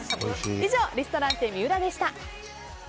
以上リストランテＭＩＵＲＡでした。